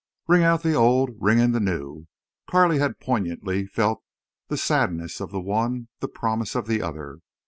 Ring out the Old! Ring in the New! Carley had poignantly felt the sadness of the one, the promise of the other.